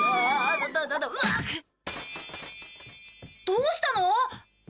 どうしたの？